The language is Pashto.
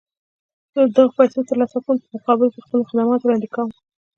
زه د دغو پيسو د ترلاسه کولو په مقابل کې خپل خدمات وړاندې کوم.